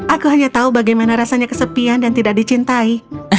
aku hanya tahu bagaimana rasanya kesepian dan tidak dicintai